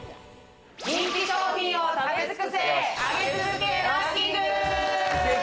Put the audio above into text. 人気商品を食べ尽くせ、上げ続けランキング！